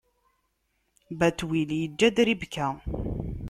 Batwil iǧǧa-d Ribka.